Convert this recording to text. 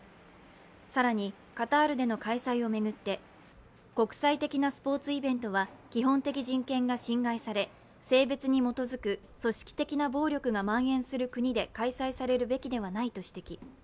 更に、カタールでの開催を巡って国際的なスポーツイベントは基本的人権が侵害され、性別に基づく組織的な暴力がまん延する国で開催されるべきではないと指摘。